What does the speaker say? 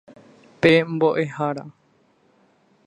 Pe mbo'ehára.